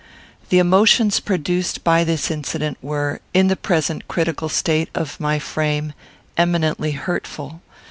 The emotions produced by this incident were, in the present critical state of my frame, eminently hurtful.